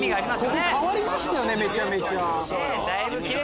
ここ変わりましたよねめちゃめちゃ。